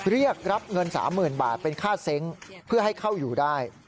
เรียกรับเงิน๓๐๐๐บาทเป็นค่าเซ้งเพื่อให้เข้าอยู่ได้